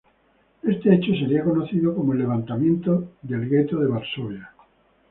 Este hecho sería conocido como el levantamiento del Gueto de Varsovia.